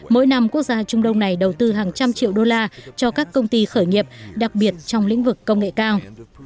mỗi năm quốc gia trung đông này đầu tư hàng trăm triệu đô la cho các công ty khởi nghiệp đặc biệt trong lĩnh vực công nghệ cao